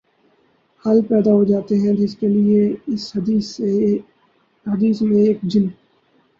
حال پیدا ہو جاتی ہے جس کے لیے اس حدیث میں ایک جن